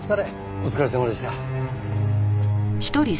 お疲れさまでした。